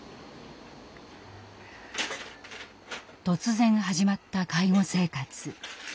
突然始まった介護生活。